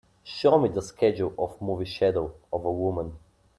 show me the schedule of movie Shadow of a Woman